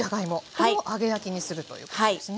これを揚げ焼きにするということですね。